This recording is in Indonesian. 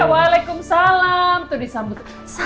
waalaikumsalam tuh disambut